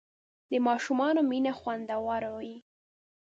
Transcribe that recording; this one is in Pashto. د ماشومانو مینه خوندور وي.